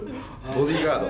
ボディーガード。